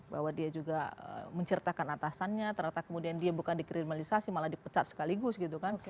bahwa dia juga menceritakan atasannya ternyata kemudian dia bukan dikriminalisasi malah dipecat sekaligus gitu kan